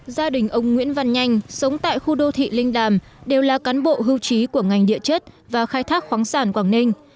gia đình ông nguyễn văn nhanh sống tại khu đô thị linh đàm đều là cán bộ hưu trí của ngành địa chất và khai thác khoáng sản quảng ninh